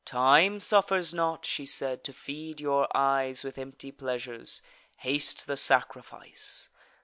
"Time suffers not," she said, "to feed your eyes With empty pleasures; haste the sacrifice.